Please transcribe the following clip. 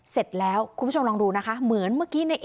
เสร็จแล้วคุณผู้ชมลองดูนะคะ